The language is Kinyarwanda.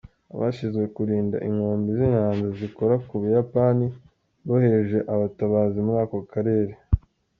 Abashinzwe kurinda inkombe z'inyanja zikora ku Buyapani bohereje abatabazi muri ako karere.